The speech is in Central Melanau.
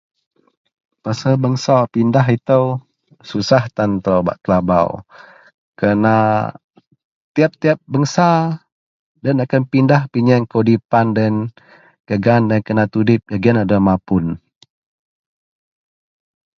Bangsa-bangsa pindah ito susah tan telo bak telabau kerana tiyap-tiyap bangsa doyen akan pindah pinyeng keudipan doyen gaan doyen kena tudip giyen doyen mapun.